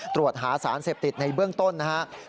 ตรวจหาสารเสพติดในเบื้องต้นนะครับ